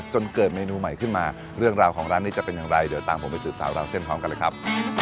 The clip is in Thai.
จนเกิดเมนูใหม่ขึ้นมาเรื่องราวของร้านนี้จะเป็นอย่างไรเดี๋ยวตามผมไปสืบสาวราวเส้นพร้อมกันเลยครับ